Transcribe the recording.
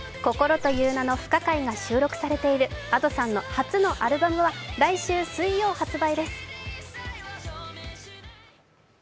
「心という名の不可解」が収録されているＡｄｏさんの初のアルバムは来週水曜発売です。